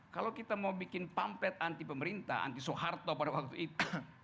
kalau kita mau bikin pamplet anti pemerintah anti soeharto pada waktu itu